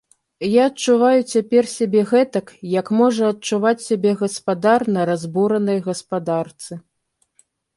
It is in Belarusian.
Я адчуваю цяпер сябе гэтак, як можа адчуваць сябе гаспадар на разбуранай гаспадарцы.